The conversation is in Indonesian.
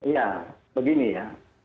ya begini ya